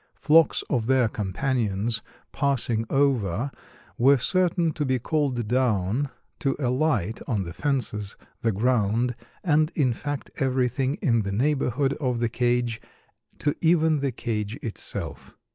Flocks of their companions passing over were certain to be called down, to alight on the fences, the ground, and in fact, everything in the neighborhood of the cage, to even the cage itself."